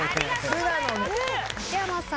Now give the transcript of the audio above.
竹山さん。